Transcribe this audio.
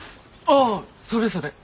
ああそれそれ。